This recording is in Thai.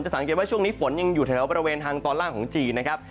สังเกตว่าช่วงนี้ฝนยังอยู่แถวบริเวณทางตอนล่างของจีนนะครับ